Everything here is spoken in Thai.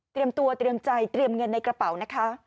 ตัวเตรียมใจเตรียมเงินในกระเป๋านะคะ